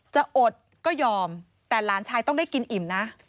จะอดก็ยอมแต่หลานชายต้องได้กินอิ่มนะ